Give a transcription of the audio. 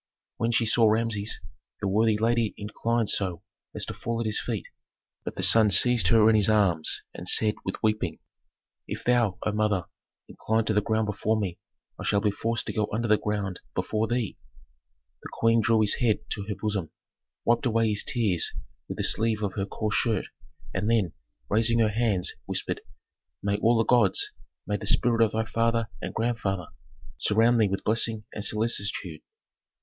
When she saw Rameses, the worthy lady inclined so as to fall at his feet. But the son seized her in his arms, and said with weeping, "If thou, O mother, incline to the ground before me, I shall be forced to go under the ground before thee." The queen drew his head to her bosom, wiped away his tears with the sleeve of her coarse shirt, and then, raising her hands, whispered, "May all the gods, may the spirit of thy father and grandfather, surround thee with blessing and solicitude.